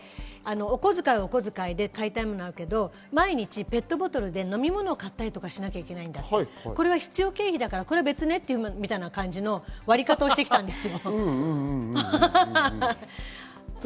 二男の時になると知恵がついてきてお小遣いはお小遣いで買いたいものがあるけど毎日ペットボトルで飲み物を買ったりしなきゃいけない、これは必要経費だからは別面みたいな感じの割り方をしてきたんですよ。